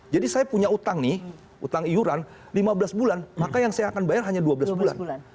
jadi saya punya utang nih utang iuran lima belas bulan maka yang saya akan bayar hanya dua belas bulan